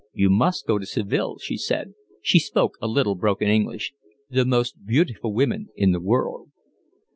"You must go to Seville," she said—she spoke a little broken English. "The most beautiful women in the world."